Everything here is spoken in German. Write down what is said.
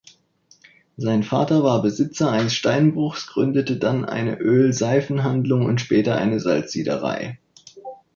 Sein Vater war Besitzer eines Steinbruchs, gründete dann eine Öl-Seifen-Handlung und später eine Salzsiederei.